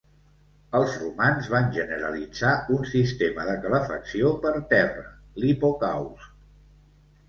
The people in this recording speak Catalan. Els romans van generalitzar un sistema de calefacció per terra, l'hipocaust.